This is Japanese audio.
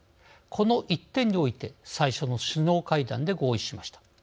この一点において最初の首脳会談で合意しました。